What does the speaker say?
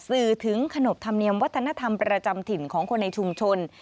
สื่อถึงขนบธรรมเนียมวัฒนธรรมประจำถิ่นของคนในชุมชน